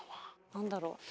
何だろう。